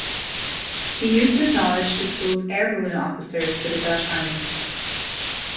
He used his knowledge to schools air balloon officers for the Dutch Army.